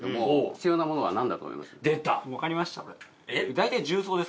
大体重曹です